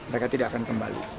mereka tidak akan kembali